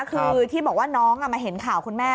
คือที่บอกว่าน้องมาเห็นข่าวคุณแม่